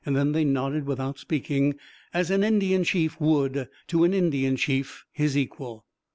Then they nodded without speaking, as an Indian chief would to an Indian chief, his equal.